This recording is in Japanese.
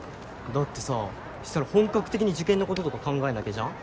だってさしたら本格的に受験のこととか考えなきゃじゃん。